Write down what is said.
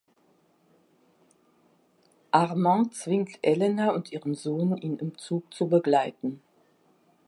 Armand zwingt Elena und ihren Sohn, ihn im Zug zu begleiten.